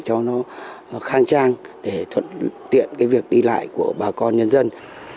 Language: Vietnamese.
cho nó khang trang để thuận tiện cái việc đi lại của bà con nhân dân